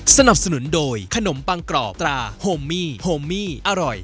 สนับสนุนโดยขนมปังกรอบตราโฮมมี่โฮมมี่อร่อย